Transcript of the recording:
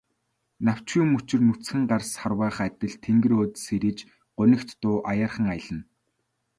Навчгүй мөчир нүцгэн гар сарвайх адил тэнгэр өөд сэрийж, гунигт дуу аяархан аялна.